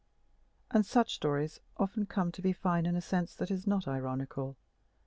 And such stories often come to be fine in a sense that is not ironical.